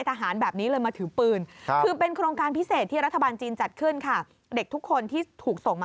ติดอินเทอร์เน็ตติดเกม